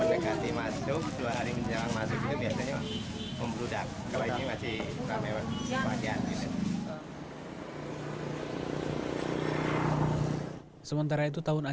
kalau sekarang ini sih ya gini gini aja ramai lancar